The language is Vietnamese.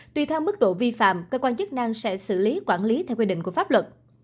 tùy theo mức độ vi phạm cơ quan chức năng sẽ xử lý quản lý theo quy định của pháp luật